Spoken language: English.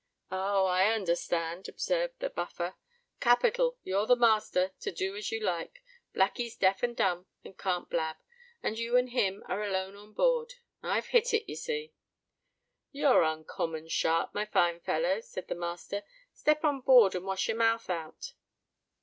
"Oh! I understand," observed the Buffer. "Capital! you're the master—to do as you like; Blackee's deaf and dumb, and can't blab; and you and him are alone on board. I've hit it, you see." "You're uncommon sharp, my fine feller," said the master. "Step on board and wash your mouth out."